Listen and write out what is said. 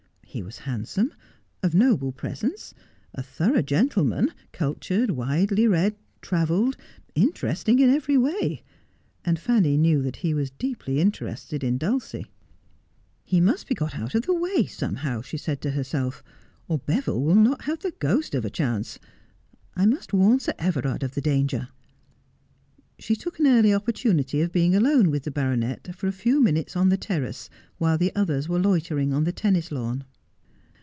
He was handsome, of noble presence, a thorough gentleman, cultured, widely read, travelled, interesting in every way ; and Fanny knew that he was deeply interested in Dulcie. ' He must be got out of the way somehow,' she said to her self, ' or Beville will not have the ghost of a chance. I must warn Sir Everard of the danger.' She took an early opportunity of being alone with the baronet for a few minutes on the terrace while the others were loitering on the tennis lawn.